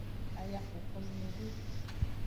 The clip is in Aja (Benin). Aya xoko nyuiede.